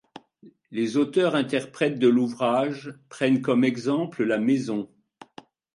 Les auteurs interprètes de l'ouvrage prennent comme exemple la maison.